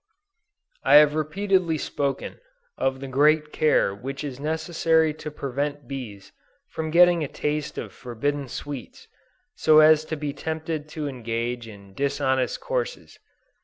I have repeatedly spoken of the great care which is necessary to prevent bees from getting a taste of forbidden sweets, so as to be tempted to engage in dishonest courses.